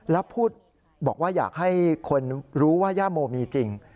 แล้วพูดบอกว่าอยากให้คนรู้ว่าย่าโมมีจริง